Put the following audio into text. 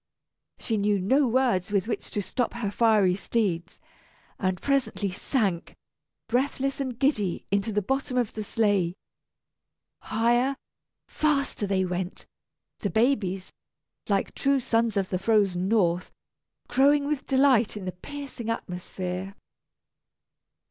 She knew no words with which to stop her fiery steeds, and presently sank, breathless and giddy, into the bottom of the sleigh. Higher, faster they went; the babies, like true sons of the frozen North, crowing with delight in the piercing atmosphere.